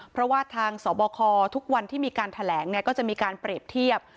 เพราะว่าทางสบคทุกวันที่มีการแถลงก็จะมีการเปรียบเทียบ